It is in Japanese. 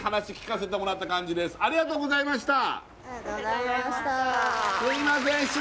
すいません